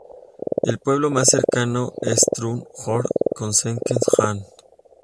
El pueblo más cercano es Truth or Consequences y Hatch.